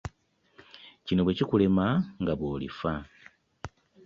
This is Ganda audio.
Kino bwe kikulema nga bw'olifa.